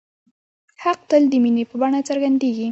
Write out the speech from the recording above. حق تل د مینې په بڼه څرګندېږي.